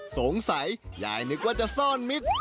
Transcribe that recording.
สงสัยยายนึกว่าจะซ่อนมิตร